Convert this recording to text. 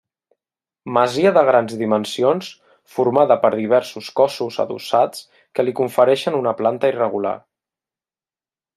Masia de grans dimensions formada per diversos cossos adossats que li confereixen una planta irregular.